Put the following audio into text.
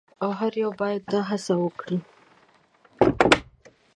او هر یو باید دا هڅه وکړي.